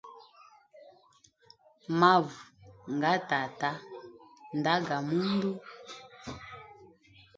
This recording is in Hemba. Mavu nga tata nda ga mundu.